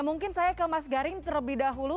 mungkin saya ke mas garing terlebih dahulu